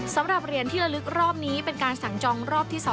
สำหรับเหรียญที่ระลึกรอบนี้เป็นการสั่งจองรอบที่๒